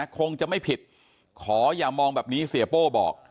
คงจะไม่ผิดขออย่ามองแบบนี้เสียโป้บอก